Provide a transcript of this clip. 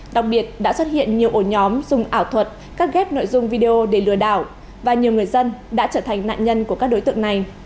đặc biệt đã xuất hiện nhiều ổ nhóm dùng ảo thuật cắt ghép nội dung video để lừa đảo và nhiều người dân đã trở thành nạn nhân của các đối tượng này